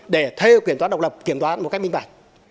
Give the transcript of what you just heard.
để thê kiểm toán độc lập kiểm toán một cách minh bản